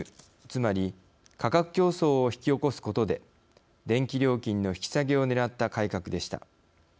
つまり価格競争を引き起こすことで電気料金の引き下げをねらった改革でした。